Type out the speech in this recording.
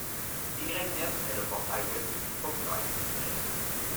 Ynet est le portail web le plus populaire d'Israël.